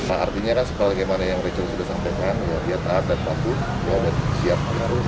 artinya kan seperti yang rachel sudah sampaikan dia taat dan bagus dia siap